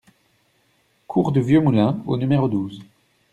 Cours du Vieux Moulin au numéro douze